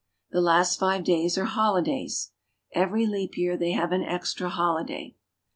The last five days are holidays. Every leap year they have an extra holi day.